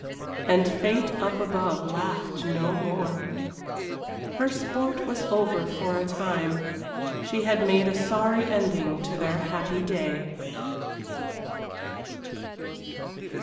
And fate up above laughed no more. Her sport was over for a time, she had made a sorry ending to their happy day.